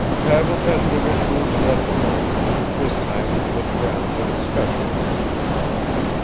Pavel Petrovich was left alone and this time he looked round with special attention.